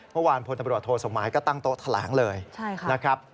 เมื่อวานพลตำรวจโทสมายก็ตั้งโต๊ะทะล้างเลยนะครับ